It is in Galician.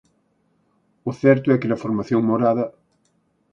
O certo é que na formación morada...